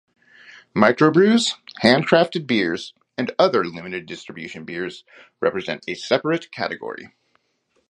Microbrews, handcrafted beers and other limited-distribution beers represent a separate category.